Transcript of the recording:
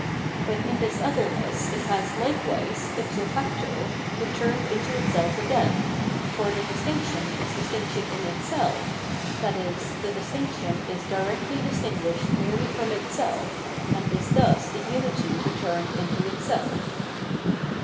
But in this otherness it has likewise, ifso facto, returned into itself again; for the distinction is distinction in itself, i.e. the distinction is directly distinguished merely from itself, and is thus the unity returned into itself.